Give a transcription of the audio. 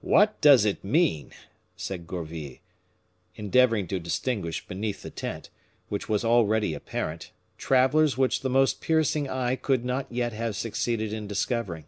"What does it mean?" said Gourville, endeavoring to distinguish beneath the tent, which was already apparent, travelers which the most piercing eye could not yet have succeeded in discovering.